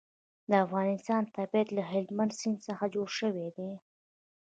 د افغانستان طبیعت له هلمند سیند څخه جوړ شوی دی.